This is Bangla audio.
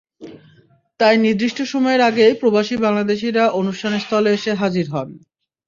তাই নির্দিষ্ট সময়ের আগেই প্রবাসী বাংলাদেশিরা অনুষ্ঠান স্থলে এসে হাজির হন।